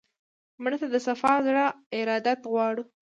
مړه ته د صفا زړه ارادت غواړو